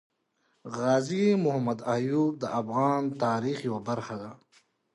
غازي محمد ايوب د افغان تاريخ يوه برخه ده